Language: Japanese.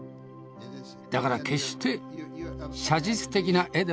だから決して写実的な絵ではないのです。